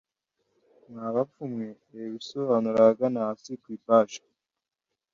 mwa bapfu mwe. reba ibisobanuro ahagana hasi ku ipaji